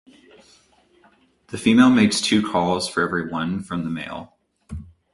The female makes two calls for every one from the male.